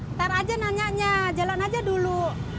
ntar aja nanya aja jalan aja dulu